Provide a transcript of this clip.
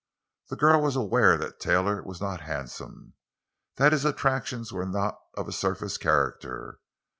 The girl was aware that Taylor was not handsome; that his attractions were not of a surface character.